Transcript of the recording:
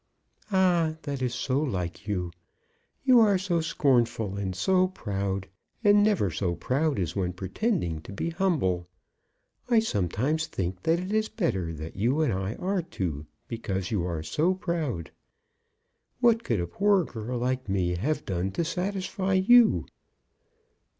"Ah! that is so like you. You are so scornful, and so proud, and never so proud as when pretending to be humble. I sometimes think that it is better that you and I are two, because you are so proud. What could a poor girl like me have done to satisfy you?"